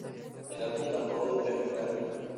El álbum ganó dos premios Grammys.